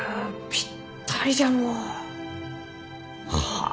ぴったりじゃのう！はあ。